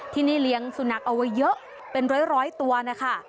ที่นี่เลี้ยงสุนัขเอาไว้เยอะเป็นร้อยตัวนะคะ